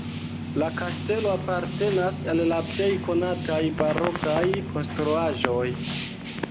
La kastelo apartenas al la plej konataj barokaj konstruaĵoj.